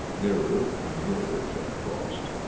Nearer and nearer came Frost.